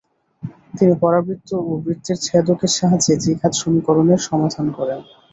তিনি পরাবৃত্ত ও বৃত্তের ছেদকের সাহায্যে ত্রিঘাত সমীকরণের সমাধান করেন।